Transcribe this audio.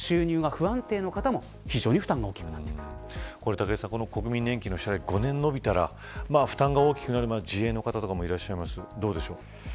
武井さん、国民年金の支払い、５年延びたら負担が大きくなる自営の方とかもいらっしゃいます。